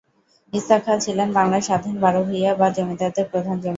ঈসা খাঁ ছিলেন বাংলার স্বাধীন বারো ভূঁইয়া বা জমিদারদের প্রধান জমিদার।